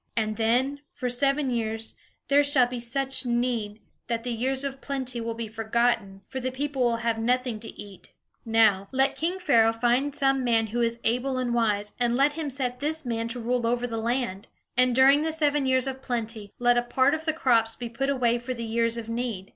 And then for seven years there shall be such need, that the years of plenty will be forgotten, for the people will have nothing to eat." [Illustration: "The two dreams have the same meaning"] "Now, let king Pharaoh find some man who is able and wise, and let him set this man to rule over the land. And during the seven years of plenty, let a part of the crops be put away for the years of need.